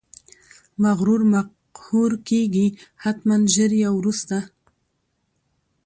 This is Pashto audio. مغرور مقهور کیږي، حتمأ ژر یا وروسته!